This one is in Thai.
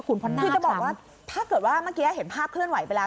คือจะบอกว่าถ้าเกิดว่าเมื่อกี้เห็นภาพเคลื่อนไหวไปแล้ว